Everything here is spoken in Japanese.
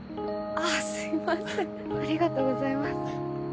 あぁすみませんありがとうございます。